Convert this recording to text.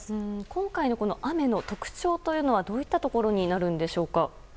今回の雨の特徴というのはどういったところになるのでしょうか。